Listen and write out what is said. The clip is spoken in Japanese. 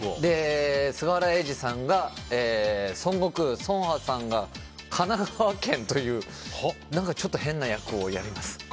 菅原永二さんが孫悟空成河さんが神奈川県というちょっと変な役をやります。